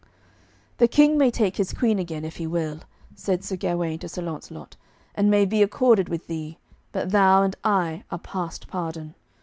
"The King may take his Queen again, if he will," said Sir Gawaine to Sir Launcelot, "and may be accorded with thee, but thou and I are past pardon.